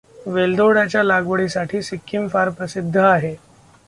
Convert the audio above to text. वेलदोड्याच्या लागवडीसाठी सिक्कीम फार प्रसिद्ध आहे.